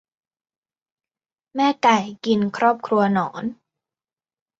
แม่ไก่กินครอบครัวหนอน